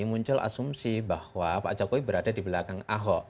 muncul asumsi bahwa pak jokowi berada di belakang ahok